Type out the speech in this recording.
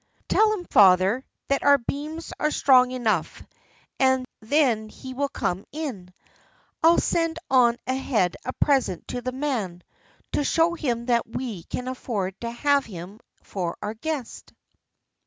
"Tell him, father, that our beams are strong enough, and then he will come in. I'll send on ahead a present to the man, to show him that we can afford to have him for our guest."